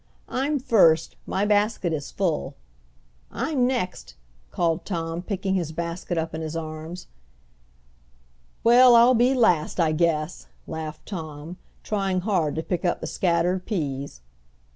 "I'm first. My basket is full." "I'm next!" called Tom, picking his basket up in his arms. "Well, I'll be last I guess," laughed Tom, trying hard to pick up the scattered peas.